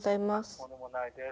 とんでもないです。